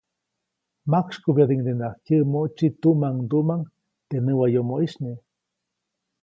Majksykubyädiʼuŋdenaʼajk kyäʼmoʼtsi tuʼmaŋduʼmaŋ teʼ näwayomoʼisy nye.